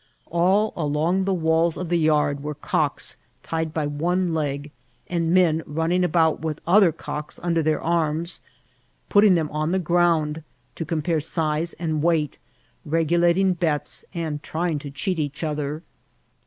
All along the waUs of the yard were cocks tied by one leg, and men running about with other cocks under their arms, putting them on the ground to compare size and weight, regulating bets, and trying to cheat each other.